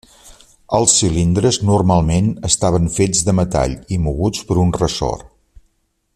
Els cilindres normalment estaven fets de metall, i moguts per un ressort.